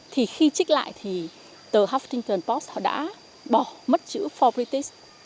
thì khi trích lại thì tờ huffington post đã bỏ mất chữ for british